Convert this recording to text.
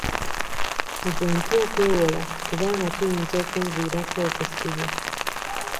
Nze ntya okwewola kubanga kiyinza okunviirako okusibwa.